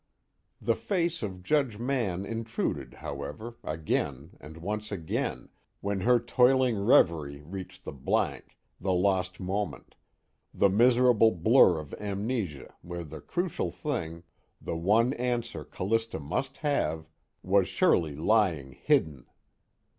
The face of Judge Mann intruded, however, again and once again, when her toiling revery reached the Blank, the lost moment, the miserable blur of amnesia where the crucial thing, the one answer Callista must have, was surely lying hidden.